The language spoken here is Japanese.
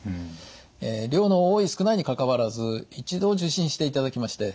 量の多い少ないにかかわらず一度受診していただきまして